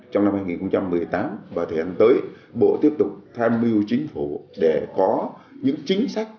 trong năm hai nghìn một mươi tám và thời gian tới bộ tiếp tục tham mưu chính phủ để có những chính sách